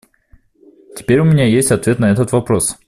Теперь у меня есть ответ на этот вопрос.